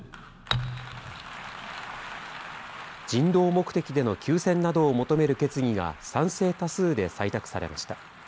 人道目的での休戦などを求める決議が賛成多数で採択されました。